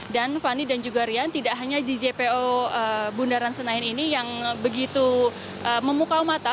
dan fanny dan juga rian tidak hanya di jpo bundaran senayan ini yang begitu memukau mata